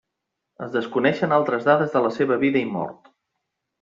Es desconeixen altres dades de la seva vida i mort.